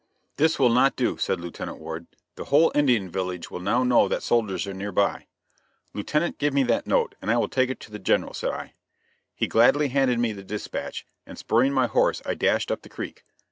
"This will not do," said Lieutenant Ward, "the whole Indian village will now know that soldiers are near by. "Lieutenant, give me that note, and I will take it to the General," said I. He gladly handed me the dispatch, and spurring my horse I dashed up the creek.